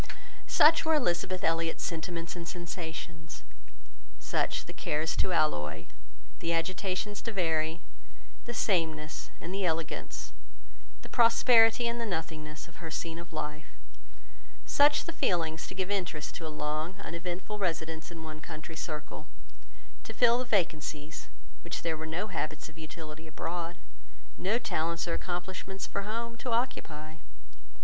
Such were Elizabeth Elliot's sentiments and sensations; such the cares to alloy, the agitations to vary, the sameness and the elegance, the prosperity and the nothingness of her scene of life; such the feelings to give interest to a long, uneventful residence in one country circle, to fill the vacancies which there were no habits of utility abroad, no talents or accomplishments for home, to occupy.